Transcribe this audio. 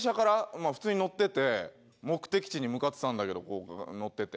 まあ普通に乗ってて目的地に向かってたんだけどこう乗ってて。